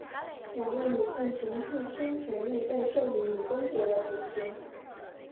两位女性凭自身权利被授予女公爵的头衔。